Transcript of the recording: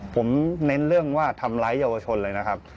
ผมเน้นเรื่องว่าทำร้ายเยาวชนเลยนะครับ